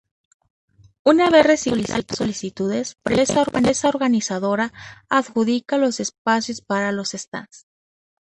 Una vez recibidas las solicitudes, la empresa organizadora adjudica los espacios para los stands.